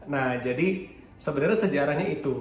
nah jadi sebenarnya sejarahnya itu